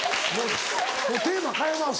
もうテーマ変えます